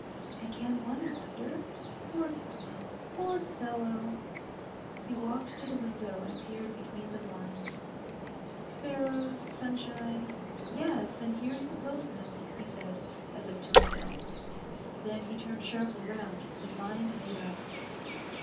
And can one wonder? Poor fellow, poor fellow!' He walked to the window and peered between the blinds. 'Sparrows, sunshine—yes, and here's the postman,' he said, as if to himself. Then he turned sharply round, with mind made up.